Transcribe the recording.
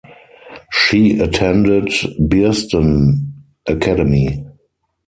She attended Bearsden Academy.